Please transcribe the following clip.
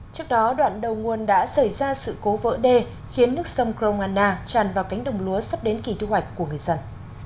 trước đó đoạn đầu nguồn đã xảy ra sự cố vỡ đê khiến nước sông kromana tràn vào cánh đồng lúa sắp đến kỳ thu hoạch của người dân